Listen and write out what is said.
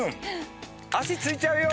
足着いちゃうよ！